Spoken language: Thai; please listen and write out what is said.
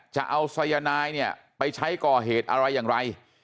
จะเอาสายนายเนี่ยไปใช้ก่อเหตุอะไรอย่างไร